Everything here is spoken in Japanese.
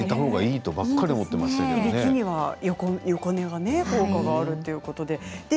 いびきには横寝が効果があるということです。